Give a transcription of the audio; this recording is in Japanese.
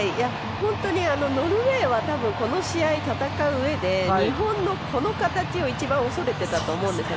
本当にノルウェーはこの試合戦ううえで、日本のこの形を一番恐れていたと思うんですね。